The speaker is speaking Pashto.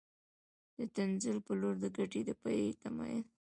د تنزل په لور د ګټې د بیې تمایل